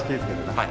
はい。